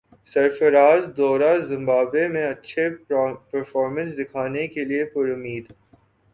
سرفرازدورہ Zimbabwe میں اچھی performance دکھانے کیلئے پر امید